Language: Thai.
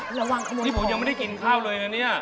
ระวังขโมยนี่ผมยังไม่ได้กินข้าวเลยนะเนี่ย